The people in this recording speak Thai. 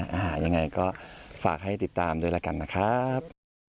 ยังไงก็ฝากให้ติดตามด้วยละกันนะครับ